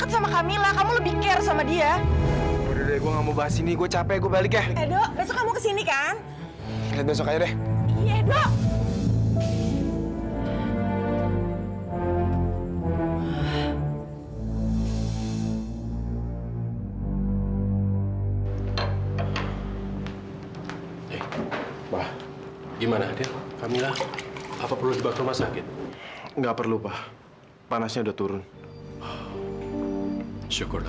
sampai jumpa di video selanjutnya